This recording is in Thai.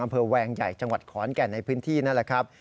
แวงใหญ่จังหวัดขอนแก่นในพื้นที่นั่นแหละครับ